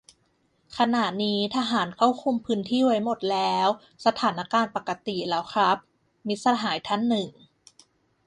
"ขณะนี้ทหารเข้าคุมพื้นที่ไว้หมดแล้ว สถานการณ์ปกติ แล้วครับ" - มิตรสหายท่านหนึ่ง